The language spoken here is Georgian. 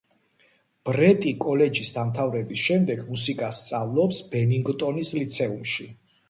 ბრეტი კოლეჯის დამთავრების შემდეგ მუსიკას სწავლობს ბენინგტონის ლიცეუმში.